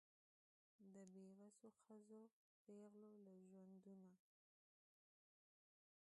د بېوسو ښځو پېغلو له ژوندونه